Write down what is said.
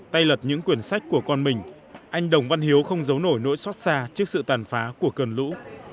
tay lật những quyển sách của con mình anh đồng văn hiếu không giấu nổi nỗi xót xa trước sự tàn phá của cơn lũ